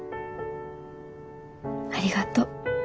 ありがとう。